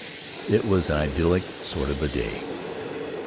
It was an idyllic sort of a day.